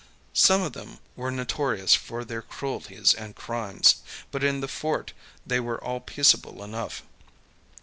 Some of them were notorious for their cruelties and crimes, but in the fort they were all peaceable enough.